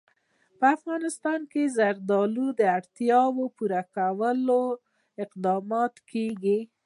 په افغانستان کې د زردالو د اړتیاوو پوره کولو اقدامات کېږي.